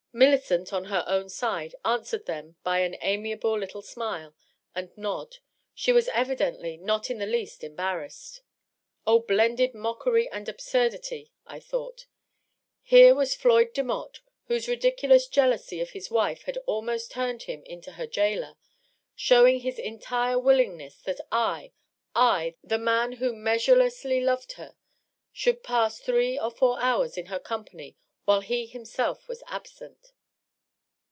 Mil licent, on her own side, answered them by an amiable little smile and nod: she was evidently not in the least embarrassed. 'O blended mockery and absurdity P I thought. Here was Floyd Demotte, whose ridiculous jealousy of his wife had almost turned him into her jailer, showing this entire willingness that I — I, the man who measurelessly loved her !— should pass three or four hours in her company while he himself was absent